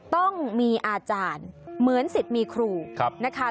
ต้องมีอาจารย์เหมือนสิทธิ์มีครูนะคะ